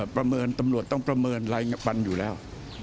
ประเมินตำรวจต้องประเมินรายวันอยู่แล้ว